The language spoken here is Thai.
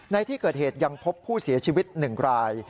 ในที่เกิดเหตุยังพบผู้เสียชีวิต๑ราย